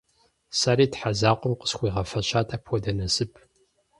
Сэри Тхьэ закъуэм къысхуигъэфэщат апхуэдэ насып.